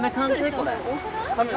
これ。